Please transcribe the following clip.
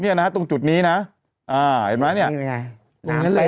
เนี้ยนะฮะตรงจุดนี้นะอ่าเห็นไหมเนี้ยนี่ไงตรงนั้นเลย